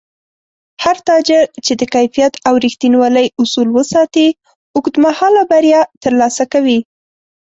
هر تاجر چې د کیفیت او رښتینولۍ اصول وساتي، اوږدمهاله بریا ترلاسه کوي